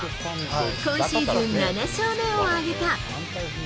今シーズン７勝目を挙げた。